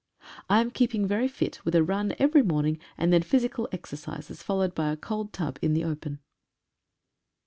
I am keeping very fit with a run every morning, and then physical exercises, followed by a cold tub in the open.